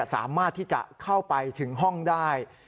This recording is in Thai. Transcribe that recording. สามารถที่จะเข้าไปถึงห้องได้